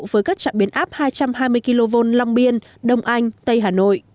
với các trạm biến áp hai trăm hai mươi kv long biên đông anh tây hà nội